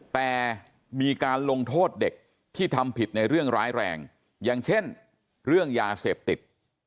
แต่มีการลงโทษเด็กที่ทำผิดในเรื่องร้ายแรงอย่างเช่นเรื่องยาเสพติด